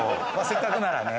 せっかくならね！